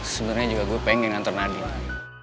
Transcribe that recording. sebenernya juga gue pengen nganter nadine aja